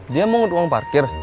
dia mau ngut uang parkir